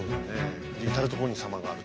至る所に狭間があると。